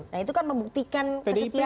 nah itu kan membuktikan kesetiaan